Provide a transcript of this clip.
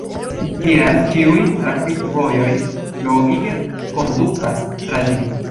Tial ĉiuj trafikvojoj logike kondukas tra ĝi.